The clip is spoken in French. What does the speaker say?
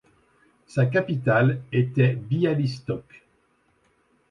Sa capitale était Białystok.